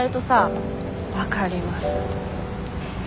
分かります。